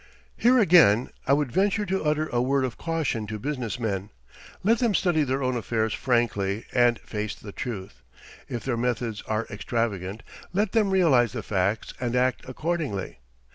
Here again I would venture to utter a word of caution to business men. Let them study their own affairs frankly, and face the truth. If their methods are extravagant, let them realize the facts and act accordingly.